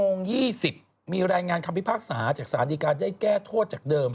โมง๒๐มีรายงานคำพิพากษาจากศาลดีการได้แก้โทษจากเดิม